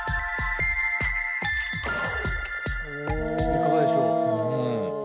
いかがでしょう？